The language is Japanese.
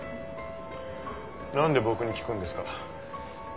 なんで僕に聞くんですか？